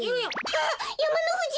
あっやまのふじ！